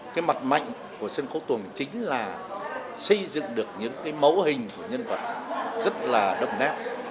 cái mặt mạnh của sân khấu tuồng chính là xây dựng được những cái mấu hình của nhân vật rất là đông đẹp